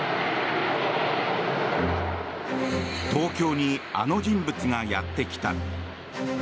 東京にあの人物がやってきた。